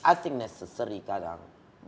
i think necessary kadang